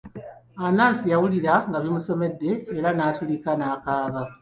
Anansi yawulira nga bimusobedde eran'atulika n'akaaba